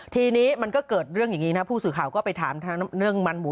ทีนี้มันก็เกิดเรื่องอย่างนี้นะผู้สื่อข่าวก็ไปถามทางเนื่องมันหมู